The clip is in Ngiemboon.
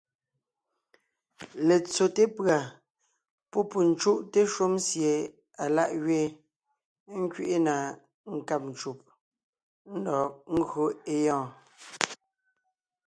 Letsóte pʉ̀a pɔ́ pû cúʼte shúm sie alá’ gẅeen, ńkẅiʼi na nkáb ncùb, ńdɔg ńgÿo é gyɔ́ɔn.